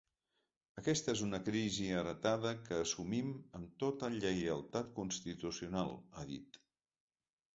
Aquesta és una crisi heretada que assumim amb tota lleialtat constitucional, ha dit.